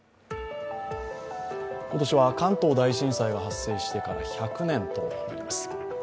今年は関東大震災が発生してから１００年となります。